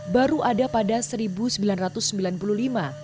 baru ada pada seribu tahun